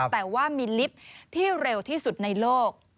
แต่ว่ามีลิฟท์ที่เร็วที่สุดในโลก